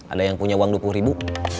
ada yang punya uang dua puluh ribu